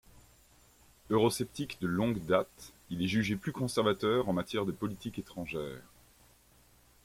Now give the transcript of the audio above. Eurosceptique de longue date, il est jugé plus conservateur en matière de politique étrangère.